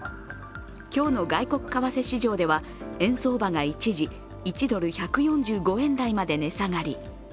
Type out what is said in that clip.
今日の外国為替市場では円相場が一時１ドル＝１４５円台まで値下がり。